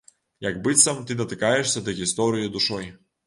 Як быццам ты датыкаешся да гісторыі душой.